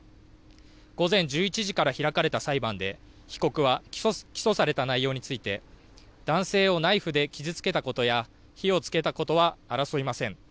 午前１１時から開かれた裁判で被告は起訴された内容について男性をナイフで傷つけたことや火をつけたことは争いません。